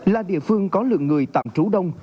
là địa phương có lượng người tạm trú đông